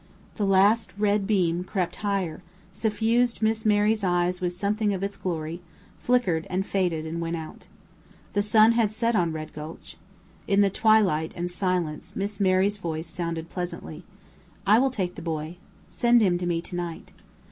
The last red beam crept higher, suffused Miss Mary's eyes with something of its glory, flickered, and faded, and went out. The sun had set on Red Gulch. In the twilight and silence Miss Mary's voice sounded pleasantly. "I will take the boy. Send him to me tonight."